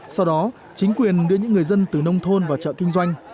sau đó chính quyền đưa những người dân từ nông thôn vào chợ kinh doanh